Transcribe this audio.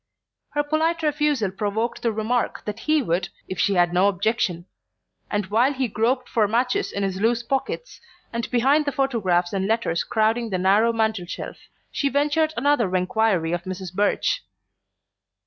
Her polite refusal provoked the remark that he would, if she'd no objection; and while he groped for matches in his loose pockets, and behind the photographs and letters crowding the narrow mantel shelf, she ventured another enquiry for Mrs. Birch.